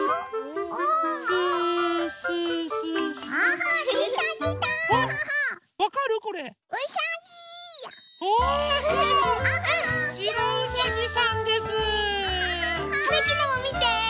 はるきのもみて！